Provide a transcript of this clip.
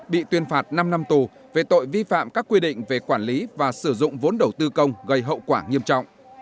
bị tuyên phạt năm năm tù về tội vi phạm các quy định về quản lý và sử dụng vốn đầu tư công gây hậu quả nghiêm trọng